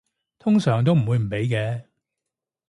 通常都唔會唔俾嘅